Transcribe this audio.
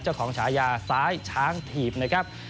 เจ้าของฉายาซ้ายช้างถีบนะครับ